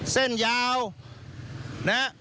เส้นยาวนะฮะ